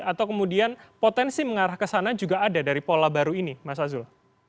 atau kemudian potensi mengarah ke sana juga ada dari pola baru ini mas azul